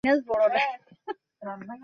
ফুসফুসে প্রচুর দস্তা আছে।